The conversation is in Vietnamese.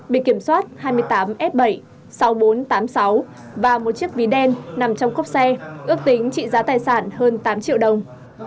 bị kiểm soát hai mươi tám f bảy sáu nghìn bốn trăm tám mươi sáu và một chiếc ví đen nằm trong cốc xe ước tính trị giá tài sản hơn tám triệu đồng